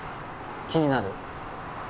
気になる？